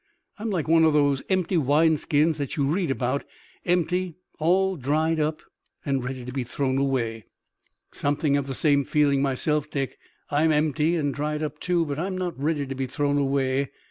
I'm like one of those empty wine skins that you read about, empty, all dried up, and ready to be thrown away." "Something of the same feeling myself, Dick. I'm empty and dried up, too, but I'm not ready to be thrown away.